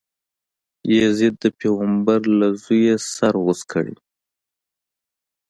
یزید د پیغمبر له زویه سر غوڅ کړی.